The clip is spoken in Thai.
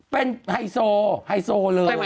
เป็นไฮโซไฮโซเลย